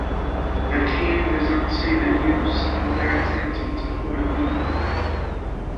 The king does not see the use of their attempting to hold a meeting